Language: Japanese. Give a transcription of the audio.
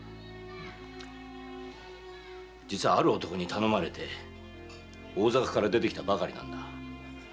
実はある男に頼まれて大坂から出てきたばかりなんだ。